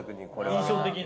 印象的な。